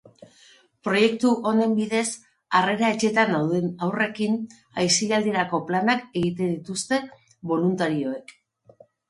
Proiektu honen bidez, harrera etxeetan dauden haurrekin aisialdirako planak egiten dituzte boluntarioek.